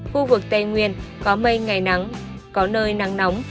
khu vực tây nguyên có mây ngày nắng có nơi nắng nóng